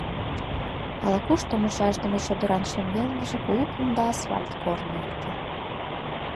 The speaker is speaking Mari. Ала-кушто, мучашдыме чодыран шеҥгелныже, кугу кумда асфальт корно эртен.